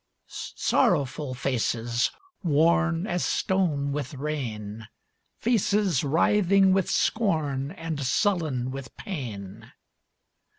Sorrowful faces worn As stone with rain, Faces writhing with scorn And sullen with pain.